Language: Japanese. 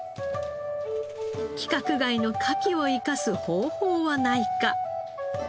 規格外のカキを生かす方法はないか。